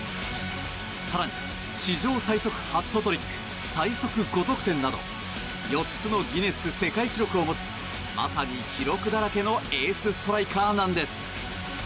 更に、史上最速ハットトリック最速５得点など４つのギネス世界記録を持つまさに記録だらけのエースストライカーなんです。